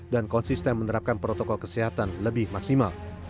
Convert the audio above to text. dan konsisten menerapkan protokol kesehatan lebih maksimal